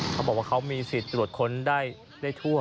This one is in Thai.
เขาบอกว่าเขามีสิทธิ์ตรวจค้นได้ทั่ว